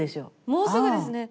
もうすぐですね。